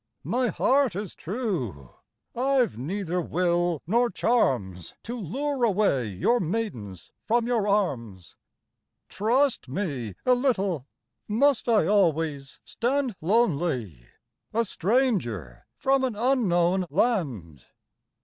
My heart is true: I've neither will nor charms To lure away your maidens from your arms. Trust me a little. Must I always stand Lonely, a stranger from an unknown land?